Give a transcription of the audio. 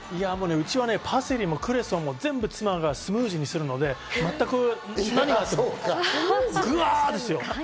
うちはパセリもクレソンも全部、妻がスムージーにするので、グワですよ。